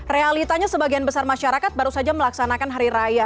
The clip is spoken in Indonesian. realitanya sebagian besar masyarakat baru saja melaksanakan hari raya